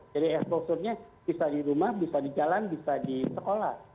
jadi exposure nya bisa di rumah bisa di jalan bisa di sekolah